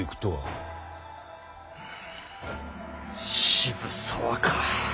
渋沢か。